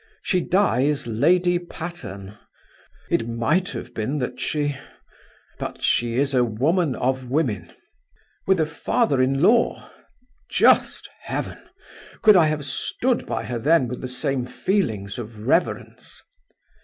She dies Lady Patterne! It might have been that she ... But she is a woman of women! With a father in law! Just heaven! Could I have stood by her then with the same feelings of reverence?